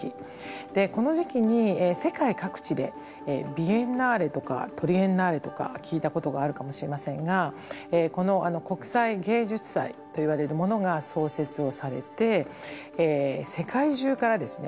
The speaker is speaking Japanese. この時期に世界各地でビエンナーレとかトリエンナーレとか聞いたことがあるかもしれませんがこの国際芸術祭といわれるものが創設をされて世界中からですね